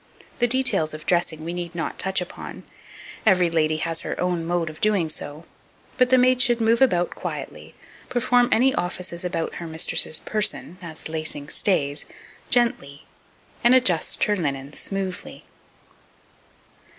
The details of dressing we need not touch upon, every lady has her own mode of doing so; but the maid should move about quietly, perform any offices about her mistress's person, as lacing stays, gently, and adjust her linen smoothly.